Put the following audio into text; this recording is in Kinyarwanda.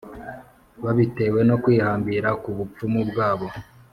babitewe no kwihambira ku bupfumu bwabo,